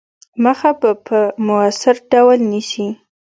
مخه به په موثِر ډول نیسي.